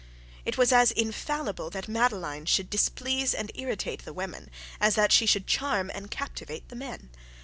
It was as infallible that Madeline should displease and irritate the women, as that she should charm and captivate the men.